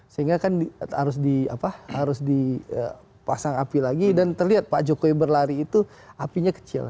sehingga kan harus dipasang api lagi dan terlihat pak jokowi berlari itu apinya kecil